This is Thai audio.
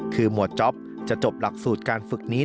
คือหมวดจ๊อปจะจบหลักสูตรการฝึกนี้